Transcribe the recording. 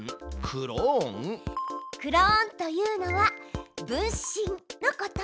クローンというのは分身のこと。